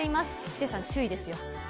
ヒデさん、注意ですよ。